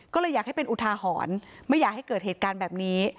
ก็เลยอยากให้เป็นอุทาหรณ์ไม่อยากให้เกิดเหตุการณ์แบบนี้